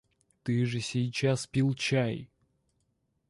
— Ты же сейчас пил чай.